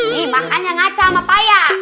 nih makanya ngaca sama payah